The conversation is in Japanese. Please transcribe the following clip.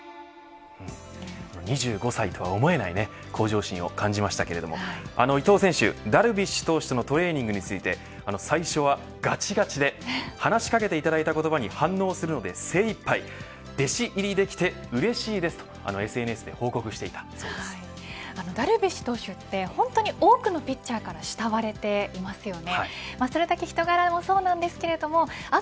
２５歳とは思えない向上心を感じましたけども伊藤選手、ダルビッシュ投手とのトレーニングについて最初はがちがちで話し掛けていただいた言葉に反応するので精いっぱい弟子入りできてうれしいですとＳＮＳでダルビッシュ投手って本当に多くのピッチャーから慕われていますよね。